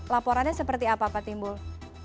laporannya seperti apa pak timbul